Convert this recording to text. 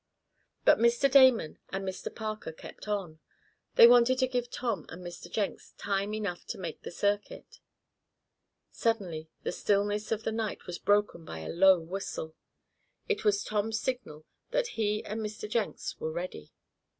But Mr. Damon and Mr. Parker kept on. They wanted to give Tom and Mr. Jenks time enough to make the circuit. Suddenly the stillness of the night was broken by a low whistle. It was Tom's signal that he and Mr. Jenks were ready.